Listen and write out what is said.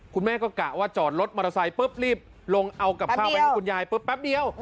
คุณแม่ก็กะว่าจอดรถมอเตอร์ไซค์ปุ๊บรีบลงเอากับข้าวไปให้คุณยายปุ๊บแป๊บเดียว